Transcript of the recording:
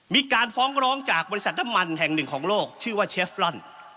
มีการฟ้องร้องจากบริษัทน้ำมันแห่งหนึ่งของโลกชื่อว่าเชฟรอน